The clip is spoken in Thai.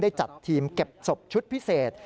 จัดทีมเก็บศพชุดพิเศษ